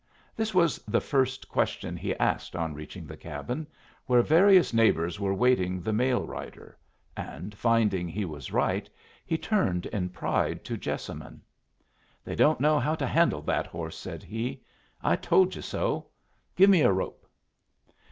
This was the first question he asked on reaching the cabin, where various neighbors were waiting the mail rider; and, finding he was right, he turned in pride to Jessamine. "They don't know how to handle that horse," said he. "I told you so. Give me a rope."